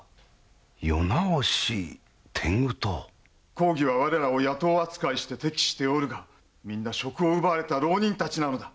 公儀は我らを野党扱いして敵視しておるがみんな職を奪われた浪人たちなのだ。